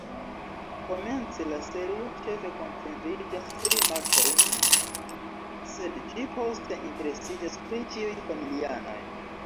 Komence, la serio ĉefe koncentriĝas pri Malcolm, sed ĝi poste interesiĝas pri ĉiuj familianoj.